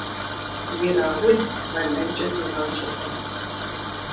Ирауд бэнэнкӏэ зигъэнщӏыркъым.